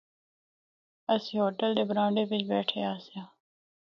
اسیں ہوٹل دے برانڈے بچ بیٹھے آسیاں۔